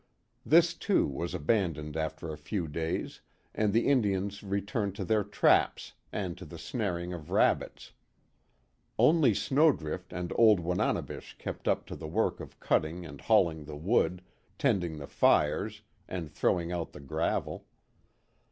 This too, was abandoned after a few days, and the Indians returned to their traps, and to the snaring of rabbits. Only Snowdrift and old Wananebish kept up to the work of cutting and hauling the wood, tending the fires, and throwing out the gravel.